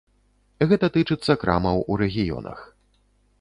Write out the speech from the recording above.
Гэта тычыцца крамаў у рэгіёнах.